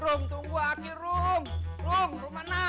rum tunggu aki rum rum rum mana